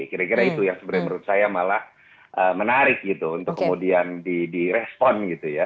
kira kira itu yang sebenarnya menurut saya malah menarik untuk kemudian direspon